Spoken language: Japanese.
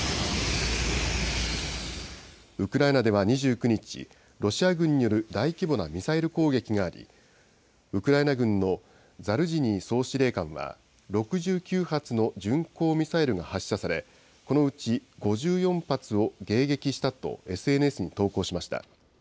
ウクライナでは２９日、ロシア軍による大規模なミサイル攻撃があり、ウクライナ軍のザルジニー総司令官は、６９発の巡航ミサイルが発射され、このうち５４発を迎撃したと、ＳＮＳに投稿しました。